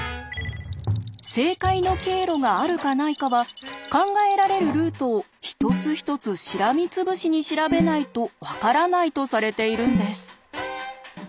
正解の経路があるかないかは考えられるルートを一つ一つしらみつぶしに調べないと分からないとされているんです。